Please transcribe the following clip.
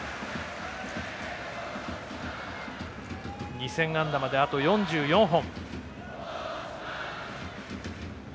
２０００安打まで、あと４４本。